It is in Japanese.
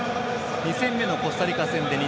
２戦目のコスタリカ戦勝利。